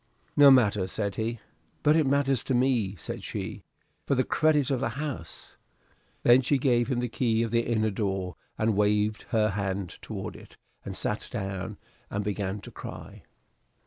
"No matter," said he. "But it matters to me," said she, "for the credit of the house." Then she gave him the key of the inner door, and waved her hand toward it, and sat down and began to cry.